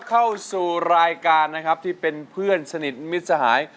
เข้าสู่รายการนะครับที่เป็นเพื่อนสนิทมิตรสหาย